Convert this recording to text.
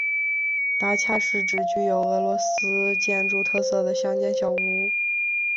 达恰是指具有俄罗斯建筑特色的乡间小屋。